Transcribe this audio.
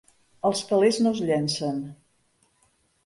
Els calés no es llencen...